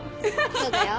そうだよ。